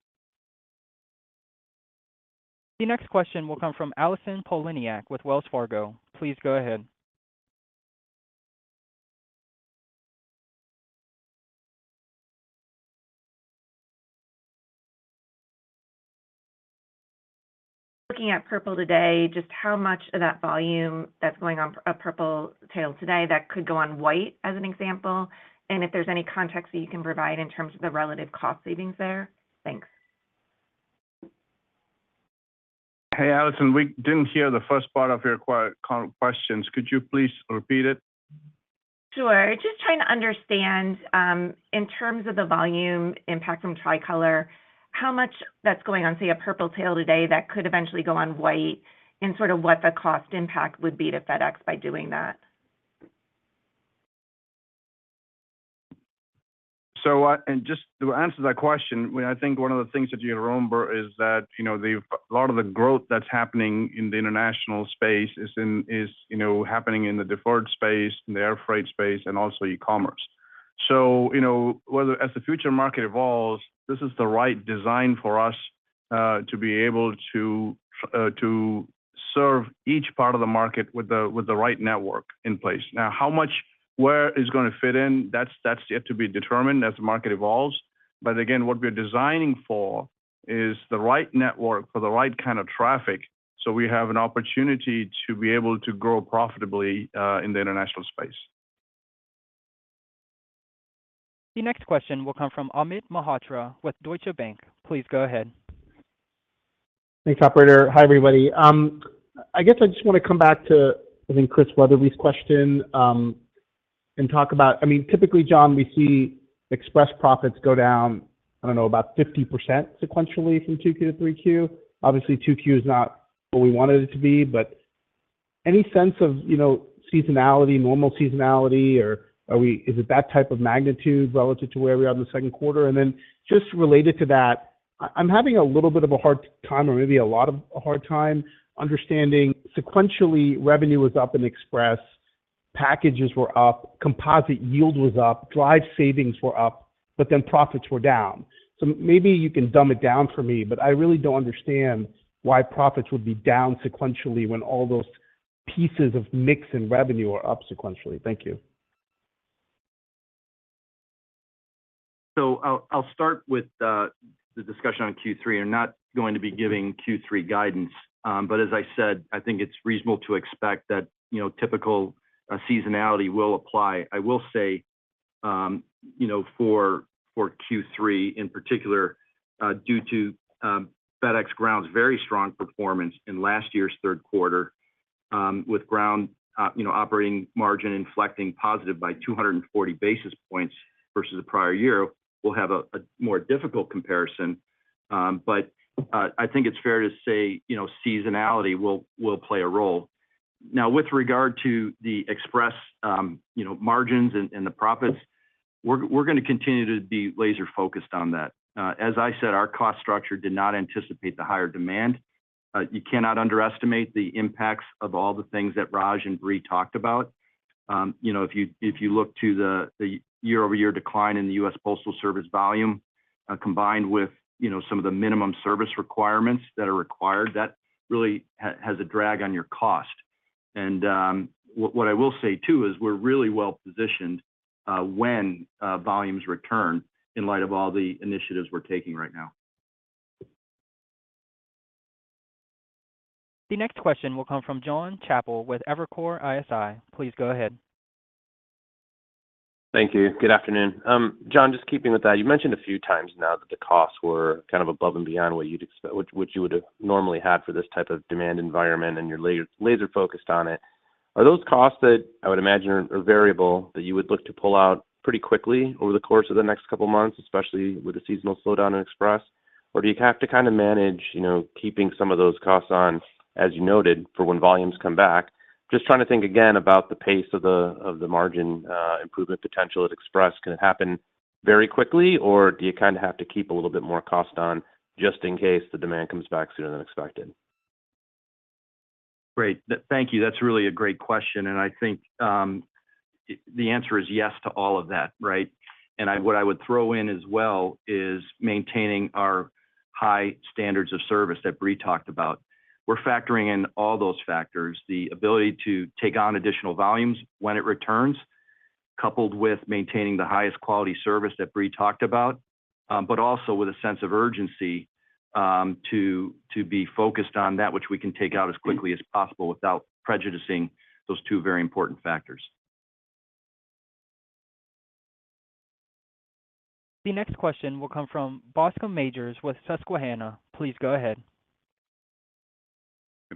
The next question will come from Allison Poliniak with Wells Fargo. Please go ahead. Looking at Purple today, just how much of that volume that's going on a Purple tail today that could go on White, as an example, and if there's any context that you can provide in terms of the relative cost savings there? Thanks. Hey, Allison, we didn't hear the first part of your questions. Could you please repeat it? Sure. Just trying to understand, in terms of the volume impact from Tricolor, how much that's going on, say, a Purple tail today that could eventually go on White and sort of what the cost impact would be to FedEx by doing that? So, and just to answer that question, well, I think one of the things that you remember is that, you know, the a lot of the growth that's happening in the international space is in, you know, happening in the deferred space, in the air freight space, and also e-commerce. So, you know, whether as the future market evolves, this is the right design for us, to be able to to serve each part of the market with the right network in place. Now, how much, where is gonna fit in? That's yet to be determined as the market evolves. But again, what we're designing for is the right network for the right kind of traffic, so we have an opportunity to be able to grow profitably in the international space. The next question will come from Amit Mehrotra with Deutsche Bank. Please go ahead. Thanks, operator. Hi, everybody. I guess I just want to come back to, I think, Chris Weatherby's question, and talk about... I mean, typically, John, we see Express profits go down, I don't know, about 50% sequentially from 2Q to 3Q. Obviously, 2Q is not where we wanted it to be, but any sense of, you know, seasonality, normal seasonality, or are we- is it that type of magnitude relative to where we are in the second quarter? And then just related to that, I, I'm having a little bit of a hard time or maybe a lot of a hard time understanding sequentially, revenue was up in Express, packages were up, composite yield was up, drive savings were up, but then profits were down. So maybe you can dumb it down for me, but I really don't understand why profits would be down sequentially when all those pieces of mix and revenue are up sequentially. Thank you. So I'll start with the discussion on Q3. I'm not going to be giving Q3 guidance, but as I said, I think it's reasonable to expect that, you know, typical seasonality will apply. I will say, you know, for Q3, in particular, due to FedEx Ground's very strong performance in last year's third quarter, with Ground, you know, operating margin inflecting positive by 240 basis points versus the prior year, we'll have a more difficult comparison. But I think it's fair to say, you know, seasonality will play a role. Now, with regard to the Express, you know, margins and the profits, we're gonna continue to be laser-focused on that. As I said, our cost structure did not anticipate the higher demand. You cannot underestimate the impacts of all the things that Raj and Brie talked about. You know, if you look to the year-over-year decline in the U.S. Postal Service volume, combined with, you know, some of the minimum service requirements that are required, that really has a drag on your cost. What I will say, too, is we're really well positioned when volumes return in light of all the initiatives we're taking right now. The next question will come from Jonathan Chappell with Evercore ISI. Please go ahead. Thank you. Good afternoon. John, just keeping with that, you mentioned a few times now that the costs were kind of above and beyond what you would have normally had for this type of demand environment, and you're laser-focused on it. Are those costs that I would imagine are variable, that you would look to pull out pretty quickly over the course of the next couple of months, especially with the seasonal slowdown in Express? Or do you have to kind of manage, you know, keeping some of those costs on, as you noted, for when volumes come back? Just trying to think again about the pace of the margin improvement potential at Express. Can it happen very quickly, or do you kinda have to keep a little bit more cost on just in case the demand comes back sooner than expected?... Great. Thank you. That's really a great question, and I think, the answer is yes to all of that, right? What I would throw in as well is maintaining our high standards of service that Brie talked about. We're factoring in all those factors, the ability to take on additional volumes when it returns, coupled with maintaining the highest quality service that Brie talked about, but also with a sense of urgency, to be focused on that which we can take out as quickly as possible without prejudicing those two very important factors. The next question will come from Bascome Majors with Susquehanna. Please go ahead.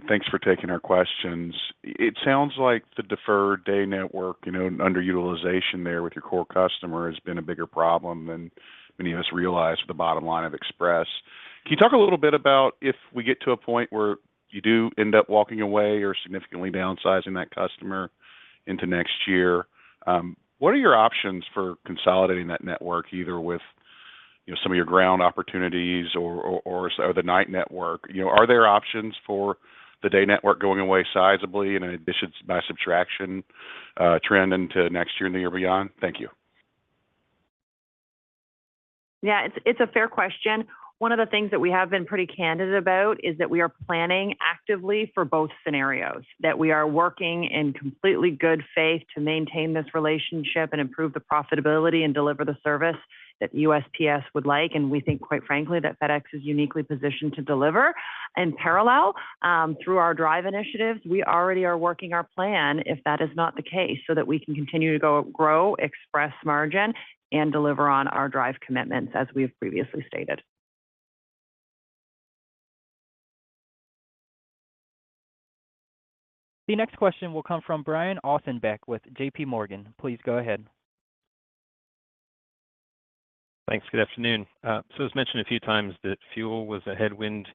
Thanks for taking our questions. It sounds like the deferred day network, you know, underutilization there with your core customer has been a bigger problem than many of us realize for the bottom line of Express. Can you talk a little bit about if we get to a point where you do end up walking away or significantly downsizing that customer into next year, what are your options for consolidating that network, either with, you know, some of your Ground opportunities or the night network? You know, are there options for the day network going away sizably in an addition by subtraction trend into next year and the year beyond? Thank you. Yeah, it's a fair question. One of the things that we have been pretty candid about is that we are planning actively for both scenarios. That we are working in completely good faith to maintain this relationship and improve the profitability and deliver the service that USPS would like. And we think, quite frankly, that FedEx is uniquely positioned to deliver. In parallel, through our DRIVE initiatives, we already are working our plan, if that is not the case, so that we can continue to grow Express margin and deliver on our DRIVE commitments, as we've previously stated. The next question will come from Brian Ossenbeck with J.P. Morgan. Please go ahead. Thanks. Good afternoon. So as mentioned a few times, that fuel was a headwind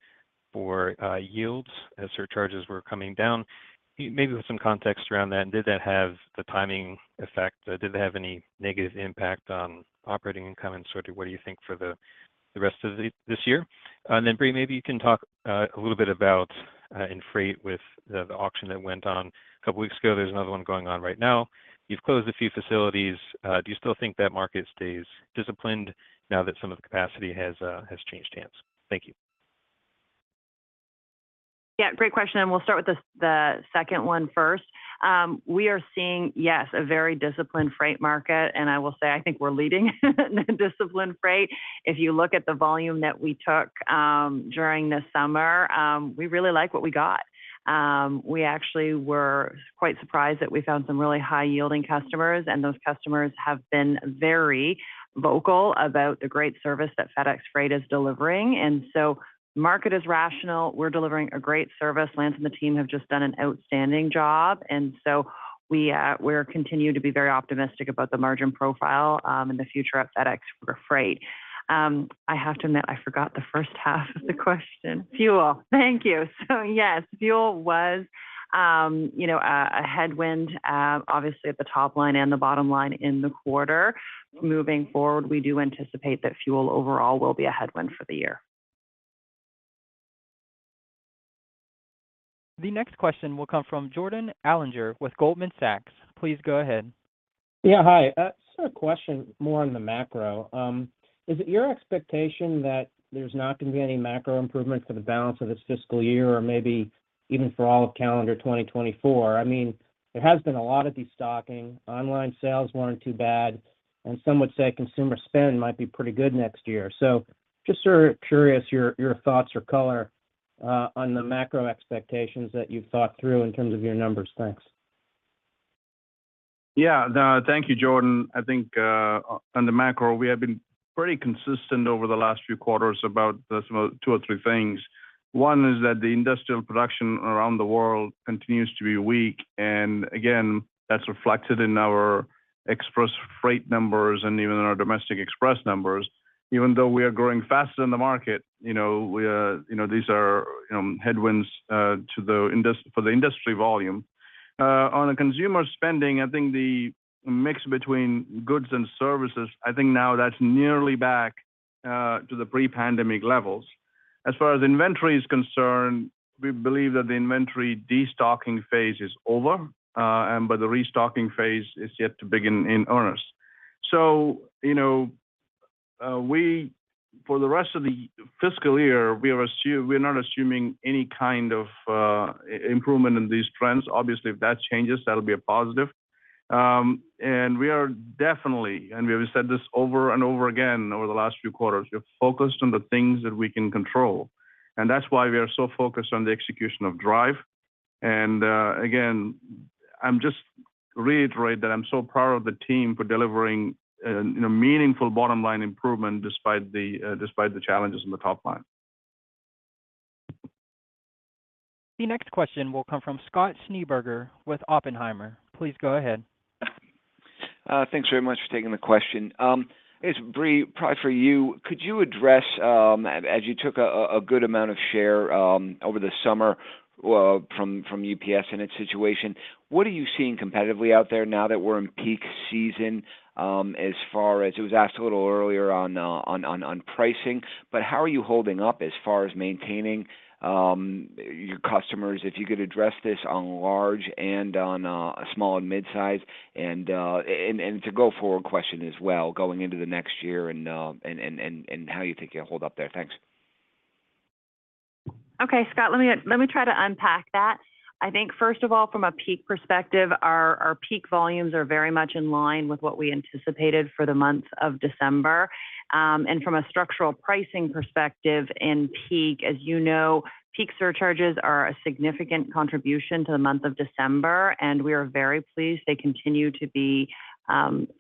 for yields as surcharges were coming down. Maybe with some context around that, and did that have the timing effect? Did that have any negative impact on operating income? And sort of what do you think for the rest of this year? And then, Brie, maybe you can talk a little bit about in freight with the auction that went on a couple weeks ago. There's another one going on right now. You've closed a few facilities. Do you still think that market stays disciplined now that some of the capacity has changed hands? Thank you. Yeah, great question, and we'll start with the second one first. We are seeing, yes, a very disciplined freight market, and I will say, I think we're leading in a disciplined freight. If you look at the volume that we took during the summer, we really like what we got. We actually were quite surprised that we found some really high-yielding customers, and those customers have been very vocal about the great service that FedEx Freight is delivering. And so market is rational. We're delivering a great service. Lance and the team have just done an outstanding job, and so we're continuing to be very optimistic about the margin profile and the future of FedEx Freight. I have to admit, I forgot the first half of the question. Fuel. Thank you. Yes, fuel was, you know, a headwind, obviously at the top line and the bottom line in the quarter. Moving forward, we do anticipate that fuel overall will be a headwind for the year. The next question will come from Jordan Alliger with Goldman Sachs. Please go ahead. Yeah. Hi. So a question more on the macro. Is it your expectation that there's not gonna be any macro improvements for the balance of this fiscal year or maybe even for all of calendar 2024? I mean, there has been a lot of destocking. Online sales weren't too bad, and some would say consumer spend might be pretty good next year. So just sort of curious your, your thoughts or color, on the macro expectations that you've thought through in terms of your numbers. Thanks. Yeah. Thank you, Jordan. I think, on the macro, we have been pretty consistent over the last few quarters about the two or three things. One is that the industrial production around the world continues to be weak, and again, that's reflected in our Express Freight numbers and even in our domestic Express numbers. Even though we are growing faster than the market, you know, we, you know, these are headwinds to the industry volume. On the consumer spending, I think the mix between goods and services, I think now that's nearly back to the pre-pandemic levels. As far as inventory is concerned, we believe that the inventory destocking phase is over, and the restocking phase is yet to begin in earnest. So, you know, for the rest of the fiscal year, we're not assuming any kind of improvement in these trends. Obviously, if that changes, that'll be a positive. And we are definitely, and we have said this over and over again over the last few quarters, we're focused on the things that we can control, and that's why we are so focused on the execution of Drive. And, again, I'm just reiterate that I'm so proud of the team for delivering a, you know, meaningful bottom-line improvement despite the challenges in the top line. The next question will come from Scott Schneeberger with Oppenheimer. Please go ahead. Thanks very much for taking the question. It's Brie, probably for you. Could you address, as you took a good amount of share over the summer from UPS in its situation, what are you seeing competitively out there now that we're in peak season, as far as... It was asked a little earlier on pricing, but how are you holding up as far as maintaining your customers? If you could address this on large and on small and mid-size, and how you think you'll hold up there. Thanks.... Okay, Scott, let me, let me try to unpack that. I think first of all, from a peak perspective, our, our peak volumes are very much in line with what we anticipated for the month of December. And from a structural pricing perspective in peak, as you know, peak surcharges are a significant contribution to the month of December, and we are very pleased they continue to be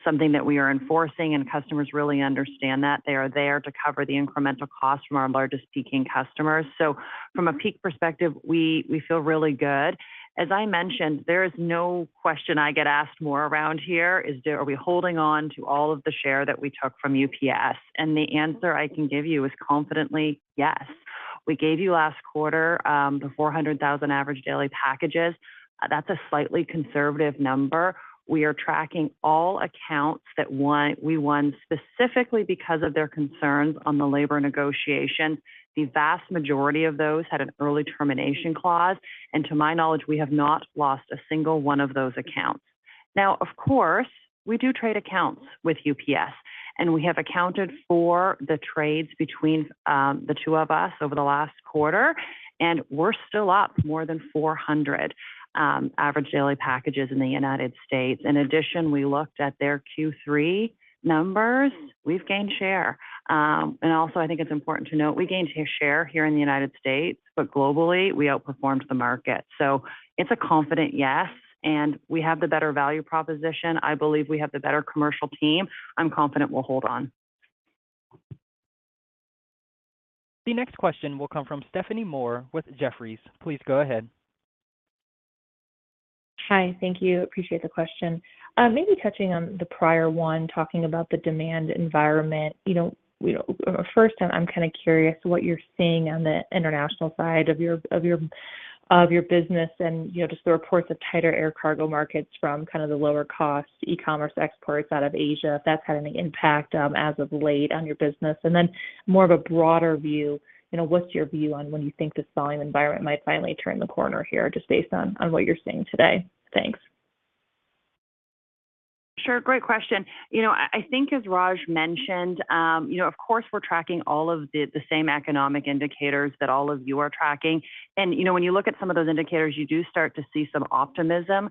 something that we are enforcing and customers really understand that they are there to cover the incremental cost from our largest peaking customers. So from a peak perspective, we, we feel really good. As I mentioned, there is no question I get asked more around here: is there-- are we holding on to all of the share that we took from UPS? And the answer I can give you is confidently, yes. We gave you last quarter, the 400,000 average daily packages. That's a slightly conservative number. We are tracking all accounts that we won specifically because of their concerns on the labor negotiation. The vast majority of those had an early termination clause, and to my knowledge, we have not lost a single one of those accounts. Now, of course, we do trade accounts with UPS, and we have accounted for the trades between the two of us over the last quarter, and we're still up more than 400 average daily packages in the United States. In addition, we looked at their Q3 numbers. We've gained share. And also I think it's important to note, we gained share here in the United States, but globally, we outperformed the market. So it's a confident yes, and we have the better value proposition. I believe we have the better commercial team. I'm confident we'll hold on. The next question will come from Stephanie Moore with Jefferies. Please go ahead. Hi, thank you. Appreciate the question. Maybe touching on the prior one, talking about the demand environment. You know, we don't, first, I'm kind of curious what you're seeing on the international side of your business and, you know, just the reports of tighter air cargo markets from kind of the lower cost e-commerce exports out of Asia, if that's had any impact, as of late on your business. And then more of a broader view, you know, what's your view on when you think this volume environment might finally turn the corner here, just based on what you're seeing today? Thanks. Sure. Great question. You know, I think as Raj mentioned, you know, of course, we're tracking all of the same economic indicators that all of you are tracking. And, you know, when you look at some of those indicators, you do start to see some optimism.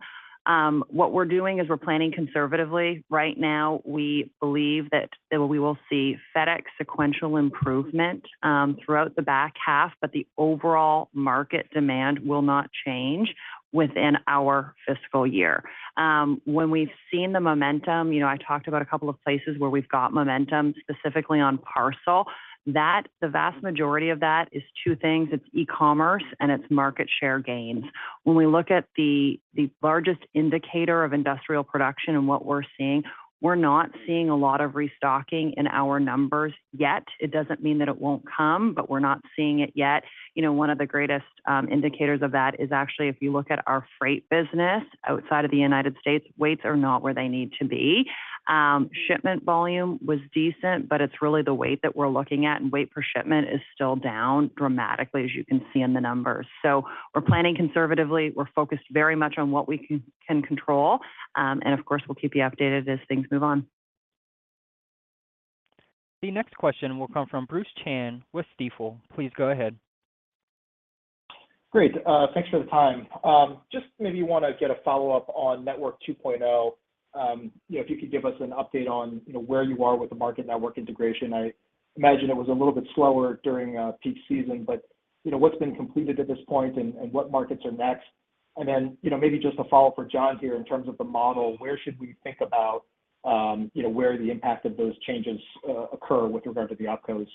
What we're doing is we're planning conservatively. Right now, we believe that we will see FedEx sequential improvement throughout the back half, but the overall market demand will not change within our fiscal year. When we've seen the momentum, you know, I talked about a couple of places where we've got momentum, specifically on parcel. That, the vast majority of that is two things: it's e-commerce and it's market share gains. When we look at the largest indicator of industrial production and what we're seeing, we're not seeing a lot of restocking in our numbers yet. It doesn't mean that it won't come, but we're not seeing it yet. You know, one of the greatest indicators of that is actually, if you look at our freight business outside of the United States, weights are not where they need to be. Shipment volume was decent, but it's really the weight that we're looking at, and weight per shipment is still down dramatically, as you can see in the numbers. So we're planning conservatively. We're focused very much on what we can control, and of course, we'll keep you updated as things move on. The next question will come from Bruce Chan with Stifel. Please go ahead. Great. Thanks for the time. Just maybe want to get a follow-up on Network 2.0. You know, if you could give us an update on, you know, where you are with the market network integration. I imagine it was a little bit slower during peak season, but, you know, what's been completed at this point and what markets are next? And then, you know, maybe just a follow-up for John here in terms of the model. Where should we think about, you know, where the impact of those changes occur with regard to the outcomes?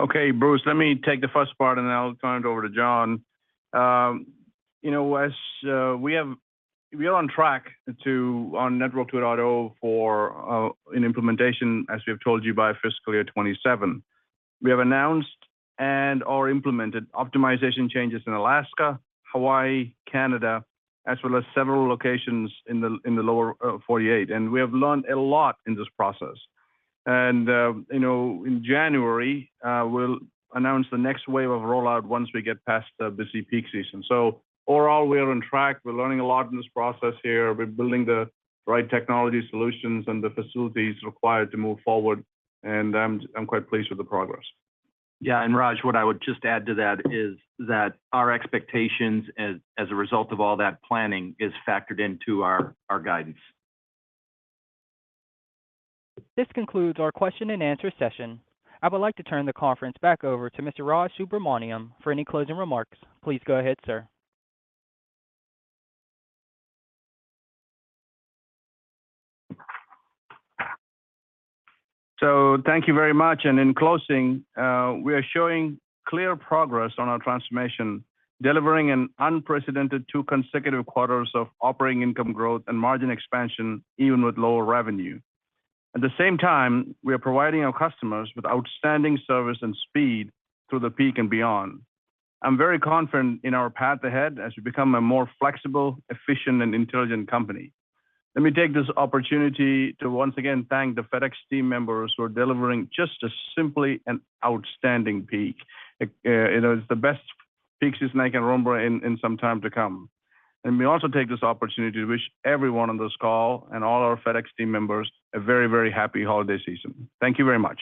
Okay, Bruce, let me take the first part, and then I'll turn it over to John. You know, as we have, we are on track to, on Network 2.0 for an implementation, as we have told you, by fiscal year 2027. We have announced and/or implemented optimization changes in Alaska, Hawaii, Canada, as well as several locations in the lower 48. We have learned a lot in this process. You know, in January, we'll announce the next wave of rollout once we get past the busy peak season. So overall, we are on track. We're learning a lot in this process here. We're building the right technology solutions and the facilities required to move forward, and I'm quite pleased with the progress. Yeah, and Raj, what I would just add to that is that our expectations as a result of all that planning is factored into our guidance. This concludes our question and answer session. I would like to turn the conference back over to Mr. Raj Subramaniam for any closing remarks. Please go ahead, sir. Thank you very much, and in closing, we are showing clear progress on our transformation, delivering an unprecedented two consecutive quarters of operating income growth and margin expansion, even with lower revenue. At the same time, we are providing our customers with outstanding service and speed through the peak and beyond. I'm very confident in our path ahead as we become a more flexible, efficient, and intelligent company. Let me take this opportunity to once again thank the FedEx team members who are delivering just a simply an outstanding peak. You know, it's the best peak season I can remember in some time to come. And may I also take this opportunity to wish everyone on this call and all our FedEx team members a very, very happy holiday season. Thank you very much.